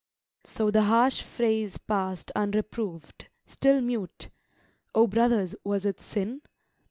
So the harsh phrase pass'd unreproved. Still mute—(O brothers, was it sin?)